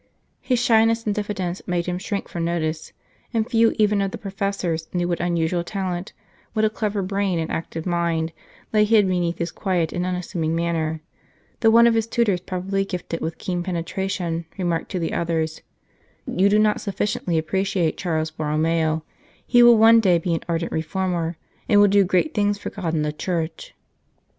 His shyness and diffidence made him shrink from notice, and few even of the professors knew what unusual talent, what a clever brain and active mind, lay hid beneath his quiet and unassuming manner ; thopgh one of his tutors, probably gifted with keen penetration, remarked to the others :" You do not sufficiently appreciate Charles Borromeo ; he will one day be an ardent reformer, and will do great things for God and the Church."